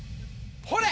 ほれ！